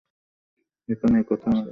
এখানেই কোথাও আছে!